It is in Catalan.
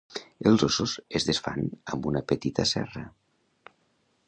Els ossos es desfan amb una petita serra.